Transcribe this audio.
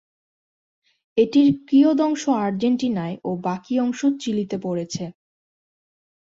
এটির কিয়দংশ আর্জেন্টিনায় ও বাকি অংশ চিলিতে পড়েছে।